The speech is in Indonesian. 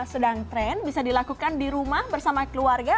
sedang tren bisa dilakukan di rumah bersama keluarga